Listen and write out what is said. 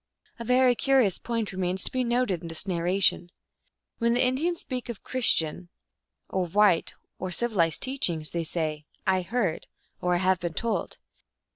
A very curious point remains to be noted in this narration. When the Indians speak of Christian, or 132 THE ALGONQUIN LEGENDS. white, or civilized teachings, they say, " I heard," or, " I have been told."